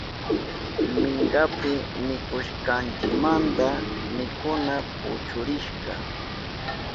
Minkapi mikushkanchimanta mikuna puchurishka.